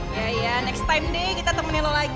iya iya next time deh kita temenin lo lagi ya enggak